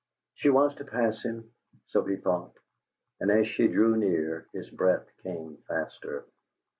She was to pass him so he thought and as she drew nearer, his breath came faster.